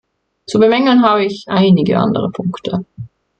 Zu bemängeln habe ich einige andere Punkte.